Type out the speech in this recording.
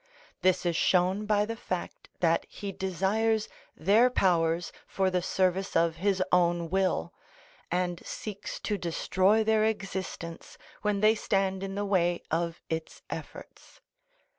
This is shown by the fact that he desires their powers for the service of his own will, and seeks to destroy their existence when they stand in the way of its efforts.